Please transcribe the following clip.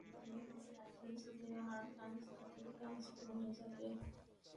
এভাবে লাইসেন্স দেওয়ায় তাঁদের কাজ কমে যাবে এবং তাঁরা অর্থসংকটে পড়বেন।